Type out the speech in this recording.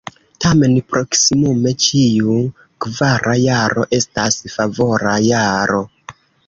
Tamen proksimume ĉiu kvara jaro estas favora jaro.